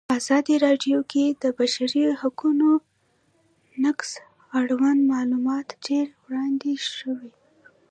په ازادي راډیو کې د د بشري حقونو نقض اړوند معلومات ډېر وړاندې شوي.